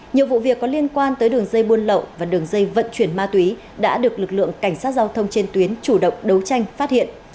nhiều vụ việc có liên quan tới đường dây buôn lậu và đường dây vận chuyển ma túy đã được lực lượng cảnh sát giao thông trên tuyến chủ động đấu tranh phát hiện